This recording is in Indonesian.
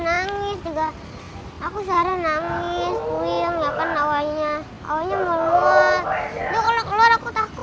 takut ada yang ingin aku lagi